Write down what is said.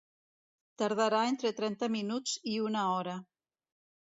Tardarà entre trenta minuts i una hora.